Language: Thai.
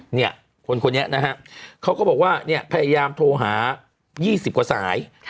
เนี่ยคนคนนี้นะฮะเขาก็บอกว่าเนี่ยพยายามโทรหา๒๐กว่าสาย